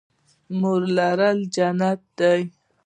مور لرل جنت دی